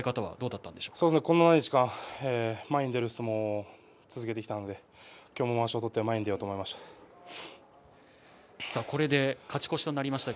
ここ何日間か前に出る相撲を続けてきたので今日もまわしを取って勝ち越しとなりました